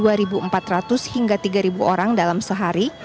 ini adalah jumlah penumpang kereta yang berjaya mencapai dua lima ratus orang dalam sehari